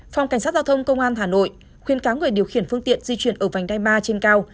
phòng cảnh sát giao thông công an hà nội khuyến cáo người điều khiển phương tiện di chuyển ở vành đai ba trên cao